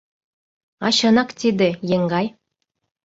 — А чынак тиде, еҥгай!